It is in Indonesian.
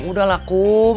udah lah kum